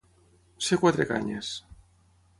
Ser quatre canyes.